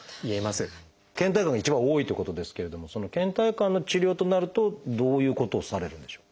けん怠感が一番多いということですけれどもそのけん怠感の治療となるとどういうことをされるんでしょう？